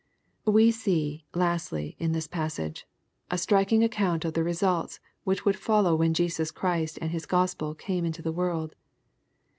We see, lastly, in this passage, a striking account of the results which would follow when Jesus Christ and His Gospel came into the world.